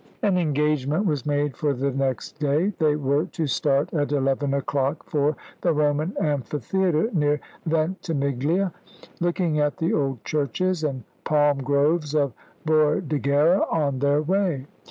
An engagement was made for the next day. They were to start at eleven o'clock for the Roman Amphitheatre near Ventimiglia, looking at the old churches and palm groves of Bordighera on their way.